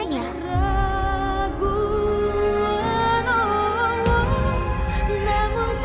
siapa yang membunuhmu tadi